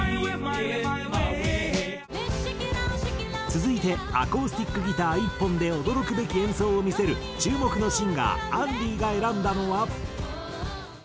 続いてアコースティックギター１本で驚くべき演奏を見せる注目のシンガーＡｎｌｙが選んだのは。